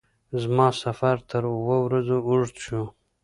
زما سفر تر اوو ورځو اوږد شو.